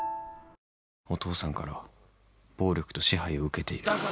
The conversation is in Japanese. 「お父さんから暴力と支配を受けている」